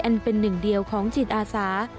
เป็นหนึ่งเดียวของจิตอาสา